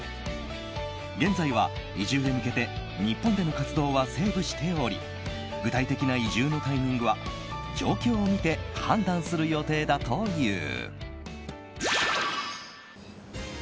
現在は、移住へ向けて日本での活動はセーブしており具体的な移住のタイミングは状況を見て判断する予定だという。